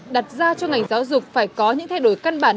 đặt ra cho ngành giáo dục phải có những thay đổi căn bản